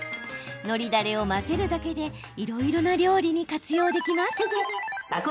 のりだれを混ぜるだけでいろいろな料理に活用できます。